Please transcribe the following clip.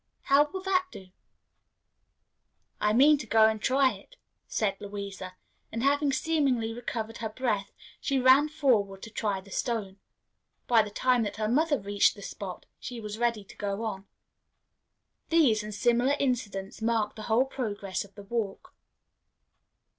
"How will that do?" "I mean to go and try it," said Louisa; and, having seemingly recovered her breath, she ran forward to try the stone. By the time that her mother reached the spot she was ready to go on. These and similar incidents marked the whole progress of the walk.